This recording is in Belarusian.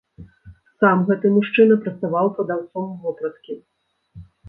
Сам гэты мужчына працаваў прадаўцом вопраткі.